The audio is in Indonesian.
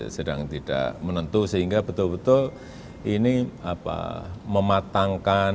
sedang tidak menentu sehingga betul betul ini mematangkan